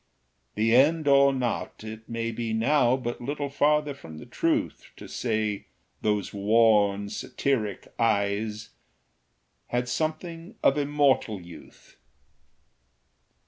The end or not, it may be now But little farther from the truth To say those worn satiric eyes Had something of immortal youth.